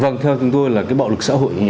vâng theo chúng tôi là cái bạo lực xã hội